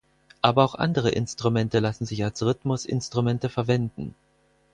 Aber auch andere Instrumente lassen sich als Rhythmusinstrumente verwenden.